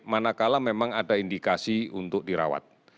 manakala memang ada indikasi untuk dirawat